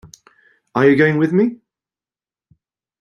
are you going with me?